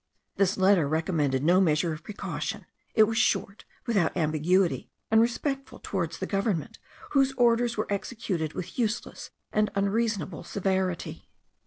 This letter recommended no measure of precaution; it was short, without ambiguity, and respectful towards the government, whose orders were executed with useless and unreasonable severity.